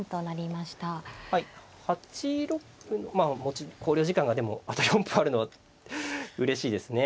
まあ考慮時間がでもあと４分あるのはうれしいですね。